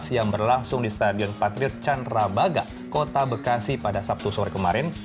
yang berlangsung di stadion patriot candrabaga kota bekasi pada sabtu sore kemarin